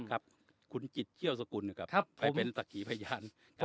ครับขุนจิตเชี่ยวสกุลครับครับไปเป็นศักดิ์ขีพญานครับ